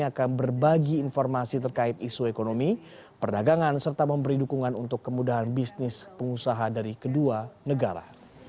akan berbagi informasi terkait isu ekonomi perdagangan serta memberi dukungan untuk kemudahan bisnis pengusaha dari kedua negara